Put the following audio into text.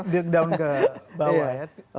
kita enggak down ke bawah ya